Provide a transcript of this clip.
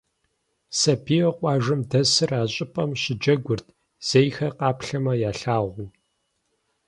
Сабийуэ къуажэм дэсыр а щӏыпӏэм щыджэгурт, зейхэр къаплъэмэ ялъагъуу.